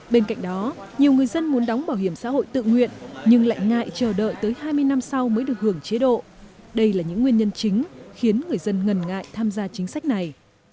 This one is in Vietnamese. bên cạnh đó nhiều người dân muốn đóng bảo hiểm xã hội tự nguyện nhưng lại ngại chờ đợi tới hai mươi năm sau mới được hưởng chế độ đây là những nguyên nhân chính khiến người dân ngần ngại tham gia chính sách này